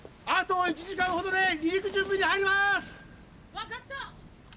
わかった！！